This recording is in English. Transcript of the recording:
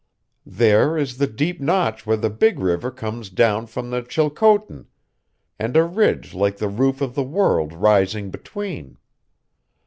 There is the deep notch where the big river comes down from the Chilcotin, and a ridge like the roof of the world rising between.